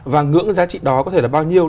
và ngưỡng giá trị đó có thể là bao nhiêu